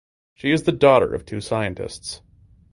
She is the daughter of two scientists.